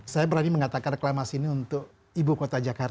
saya berani mengatakan reklamasi ini untuk ibu kota jakarta